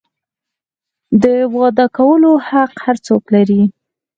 د واده کولو حق هر څوک لري.